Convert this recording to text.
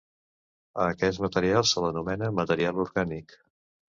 A aquest material se l'anomena material orgànic.